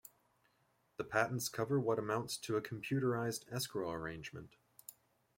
The patents cover what amounts to a computerized escrow arrangement.